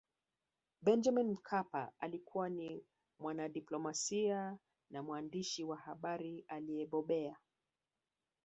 Benjamin Mkapa alikuwa ni mwanadiplomasia na mwandishi wa habari aliyebobea